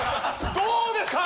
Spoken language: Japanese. どうですか？